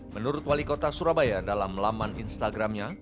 menurut wali kota surabaya dalam laman instagramnya